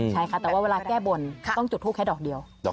ใช่ค่ะแต่ว่าเวลาแก้บนต้องจุดทูปแค่ดอกเดียว